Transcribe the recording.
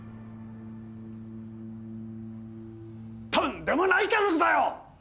とんでもない家族だよ！